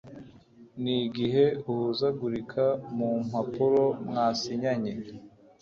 nigihe uhuzagurika mumpapuro mwasinyanye